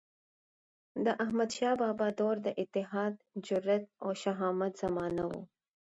د احمدشاه بابا دور د اتحاد، جرئت او شهامت زمانه وه.